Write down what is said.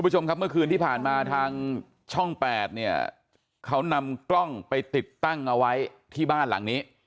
คุณผู้ชมครับเมื่อคืนที่ผ่านมาทางช่อง๘เนี่ยเขานำกล้องไปติดตั้งเอาไว้ที่บ้านหลังนี้